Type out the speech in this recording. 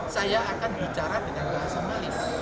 saya akan bicara dengan bahasa malis